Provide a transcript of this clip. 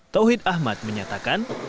tauhid ahmad menyatakan